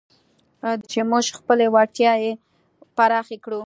دوی دا فرصت برابر کړی چې موږ خپلې وړتیاوې پراخې کړو